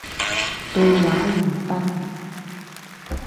對話完畢